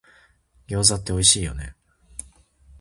餃子っておいしいよね